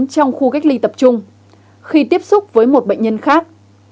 trong khu cách ly tập trung khi tiếp xúc với một bệnh nhân khác